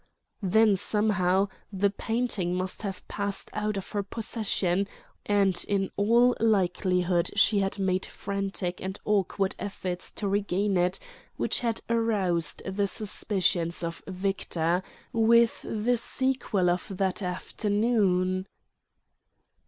Then somehow the painting must have passed out of her possession; and in all likelihood she had made frantic and awkward efforts to regain it which had aroused the suspicions of Victor; with the sequel of that afternoon....